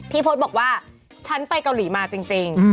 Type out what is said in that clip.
พจน์บอกว่าฉันไปเกาหลีมาจริง